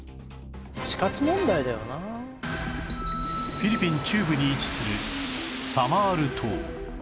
フィリピン中部に位置するサマール島